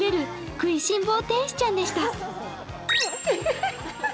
食いしん坊天使ちゃんでした。